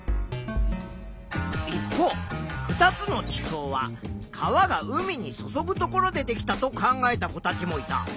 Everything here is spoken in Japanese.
一方２つの地層は川が海に注ぐところでできたと考えた子たちもいた。